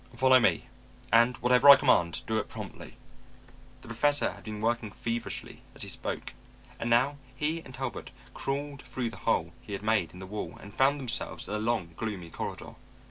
Follow me, and whatever I command, do it promptly." The Professor had been working feverishly as he spoke, and now he and Talbot crawled through the hole he had made in the wall and found themselves in a long gloomy corridor.